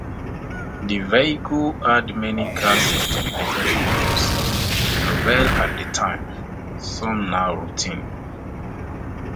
The vehicle had many car safety-related features, novel at the time, some now routine.